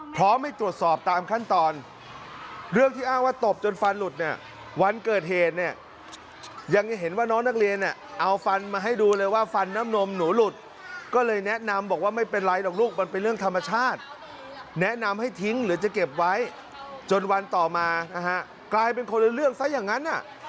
พร้อมให้ตรวจสอบตามขั้นตอนเรื่องที่อ้างว่าตบจนฟันหลุดเนี่ยวันเกิดเหตุเนี่ยยังเห็นว่าน้องนักเรียนเนี่ยเอาฟันมาให้ดูเลยว่าฟันน้ำนมหนูหลุดก็เลยแนะนำบอกว่าไม่เป็นไรหรอกลูกมันเป็นเรื่องธรรมชาติแนะนำให้ทิ้งหรือจะเก็บไว้จนวันต่อมานะฮะกลายเป็นคนละเรื่องซะอย่างนั้น